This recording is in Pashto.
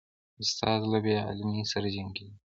استاد له بې علمۍ سره جنګیږي.